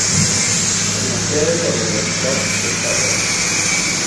Es la sede de la Universidad de Patras.